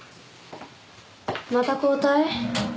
また交代？